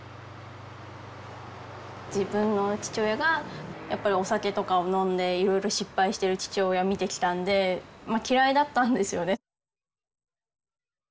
自分の父親がやっぱりお酒とかを飲んでいろいろ失敗してる父親を見てきたんでまあ嫌いだったんですよね。